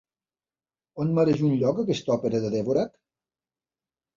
On mereix un lloc aquesta òpera de Dvořák?